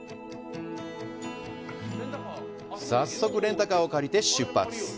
早速、レンタカーを借りて出発。